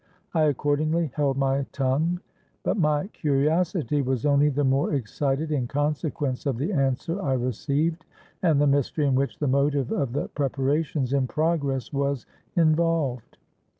I accordingly held my tongue; but my curiosity was only the more excited in consequence of the answer I received and the mystery in which the motive of the preparations in progress was involved.